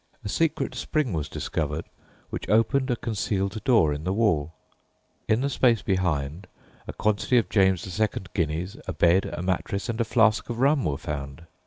A secret spring was discovered which opened a concealed door in the wall. In the space behind, a quantity of James II. guineas, a bed, a mattress, and a flask of rum were found.